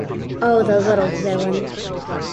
Oh, the little villain!